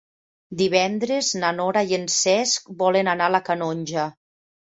Divendres na Nora i en Cesc volen anar a la Canonja.